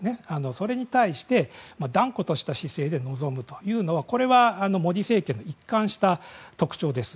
それに対して断固とした姿勢で臨むというのはモディ政権の一貫した特徴です。